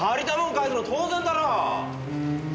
返すの当然だろ！